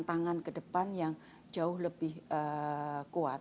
tentangan kedepan yang jauh lebih kuat